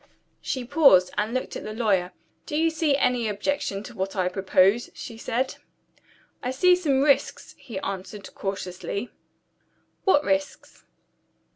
She paused, and looked at the lawyer. "Do you see any objection to what I propose?" she said. "I see some risks," he answered, cautiously. "What risks?"